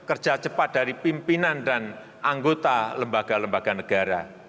dan kerja cepat dari pimpinan dan anggota lembaga lembaga negara